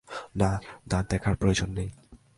না, দাঁত দেখার প্রয়োজন নেই।